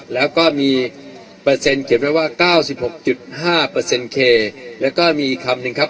แล้วก็มีเปอร์เซ็นต์เก็บไว้ว่า๙๖๕เคแล้วก็มีอีกคำหนึ่งครับ